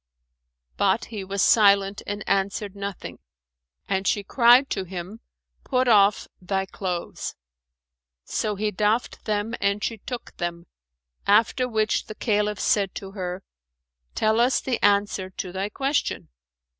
But he was silent and answered nothing; and she cried to him, "Put off thy clothes." So he doffed them and she took them; after which the Caliph said to her, "Tell us the answer to thy question."